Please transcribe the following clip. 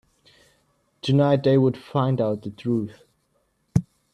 Tonight, they would find out the truth.